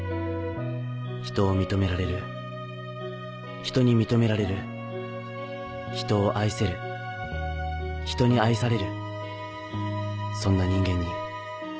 ひとを認められるひとに認められるひとを愛せるひとに愛されるそんな人間に